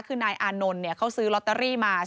คือนายอานนท์เขาซื้อลอตเตอรี่มา